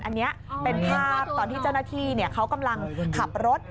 อันนี้เป็นภาพตอนที่เจ้าหน้าที่เขากำลังขับรถ